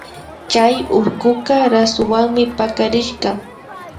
Chay urkuka rasuwanmi pakarishka